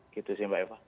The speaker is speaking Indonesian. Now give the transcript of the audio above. gitu sih mbak eva